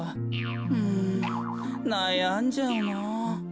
うんなやんじゃうな。